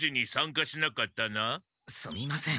すみません。